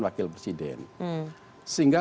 wakil presiden sehingga